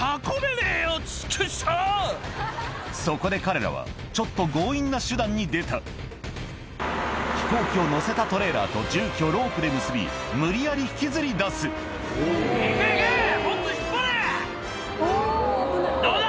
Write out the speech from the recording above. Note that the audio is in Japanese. そこで彼らはちょっと強引な手段に出た飛行機を載せたトレーラーと重機をロープで結び無理やり引きずり出すどうだ？